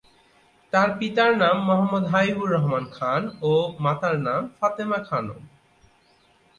তার পিতার নাম মো: হাবিবুর রহমান খান ও মাতার নাম ফাতেমা খানম।